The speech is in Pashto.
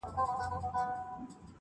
په قصاب چي دي وس نه رسېږي وروره-